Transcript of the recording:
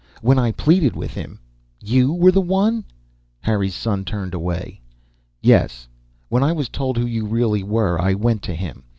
When I pleaded with him " "You were the one!" Harry's son turned away. "Yes. When I was told who you really were, I went to him.